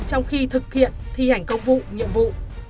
trong khi thực hiện thi hành công vụ nhiệm vụ